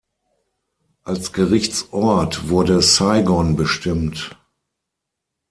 Als Gerichtsort wurde Saigon bestimmt.